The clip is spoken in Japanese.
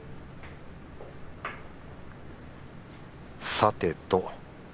さてと。